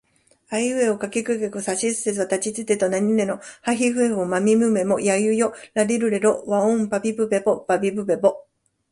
あいうえおかきくけこさしすせそたちつてとなにぬねのはひふへほまみむめもやゆよらりるれろわおんぱぴぷぺぽばびぶべぼ